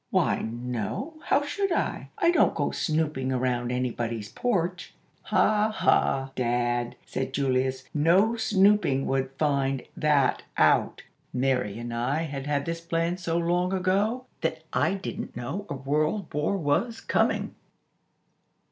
"Why, no; how should I? I don't go snooping around anybody's porch." "Ha, ha, Dad," said Julius; "no snooping would find that out. Mary and I had had this plan so long ago that I didn't know a World War was coming!"